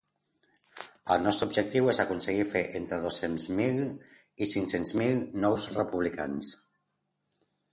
El nostre objectiu és aconseguir fer entre dos-cents mil i cinc-cents mil nous republicans.